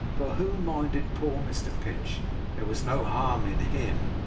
For who minded poor Mr Pinch? There was no harm in HIM.